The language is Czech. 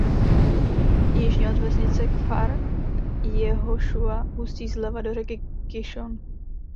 Jižně od vesnice Kfar Jehošua ústí zleva do řeky Kišon.